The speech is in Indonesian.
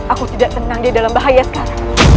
aku tidak tenang dia dalam bahaya sekarang